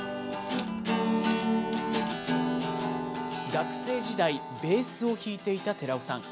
学生時代、ベースを弾いていた寺尾さん。